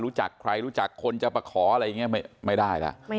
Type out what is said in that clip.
รู้จักใครรู้จักคนจะมาขออะไรอย่างนี้ไม่ได้แล้ว